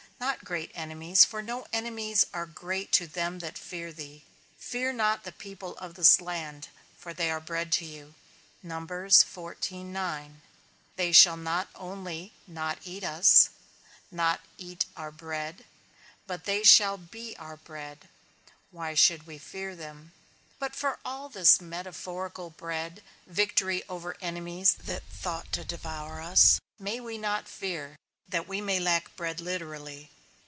Not great enemies, for no enemies are great to them that fear thee. Fear not the people of this land, for they are bread to you; they shall not only not eat us, not eat our bread, but they shall be our bread. Why should we fear them? But for all this metaphorical bread, victory over enemies that thought to devour us, may we not fear, that we may lack bread literally?